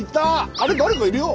あれ誰かいるよ。